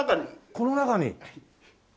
この中に。